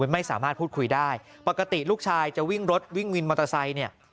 ไม่สามารถพูดคุยได้ปกติลูกชายจะวิ่งรถวิ่งวินมอเตอร์ไซค์เนี่ย